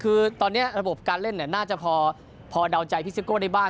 คือตอนนี้ระบบการเล่นเนี่ยน่าจะพอดาวน์ใจพิซิโก้ได้บ้าง